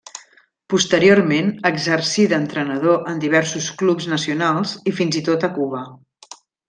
Posteriorment exercí d'entrenador en diversos clubs nacionals i fins i tot a Cuba.